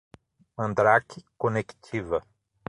mandrake, conectiva